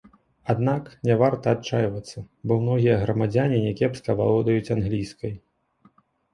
Аднак, няварта адчайвацца, бо многія грамадзяне някепска валодаюць англійскай.